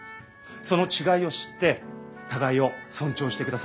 その違いを知って互いを尊重してください。